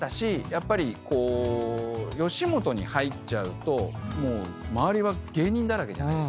やっぱりこう吉本に入っちゃうともう周りは芸人だらけじゃないですか。